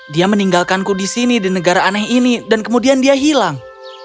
dia meninggalkanku di sini di negara aneh ini dan kemudian dia hilang